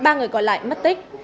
ba người còn lại mất tích